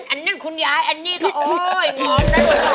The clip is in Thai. อันนั้นคุณย้ายอันนี้ก็โอ๊ยง้อน